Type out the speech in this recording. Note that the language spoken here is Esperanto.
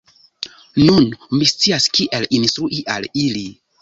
Nun mi scias kiel instrui al ili!